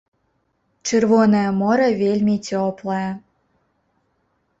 Чырвонае мора вельмі цёплае.